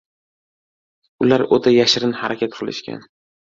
Ular oʻta yashirin harakat qilishgan.